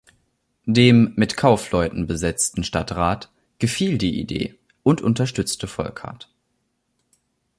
Dem mit Kaufleuten besetzten Stadtrat gefiel die Idee und unterstützte Volkhardt.